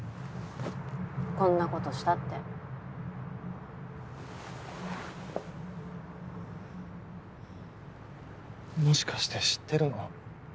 こんなことしたってもしかして知ってるの？